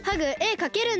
かけるんだ？